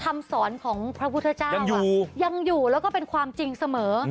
คำสอนของพระพุทธเจ้ายังอยู่แล้วก็เป็นความจริงเสมอ